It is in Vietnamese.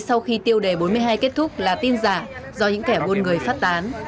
sau khi tiêu đề bốn mươi hai kết thúc là tin giả do những kẻ buôn người phát tán